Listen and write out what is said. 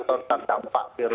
terutama bad hidup tak bekerja